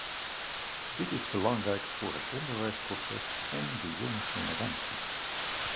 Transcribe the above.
Dit is belangrijk voor het onderwijsproces en de jonge generatie.